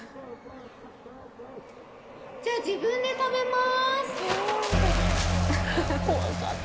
じゃあ、自分で食べまーす。